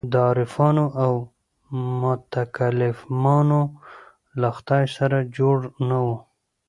د عارفانو او متکلمانو له خدای سره جوړ نه وو.